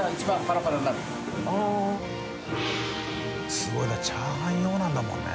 垢瓦だからチャーハン用なんだもんね。